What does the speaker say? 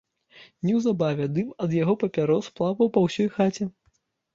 Неўзабаве дым ад яго папярос плаваў па ўсёй хаце.